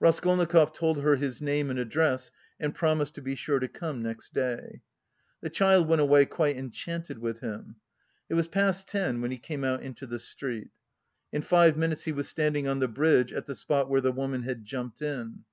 Raskolnikov told her his name and address and promised to be sure to come next day. The child went away quite enchanted with him. It was past ten when he came out into the street. In five minutes he was standing on the bridge at the spot where the woman had jumped in.